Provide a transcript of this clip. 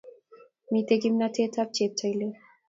Mitei kimnatet ab cheptailel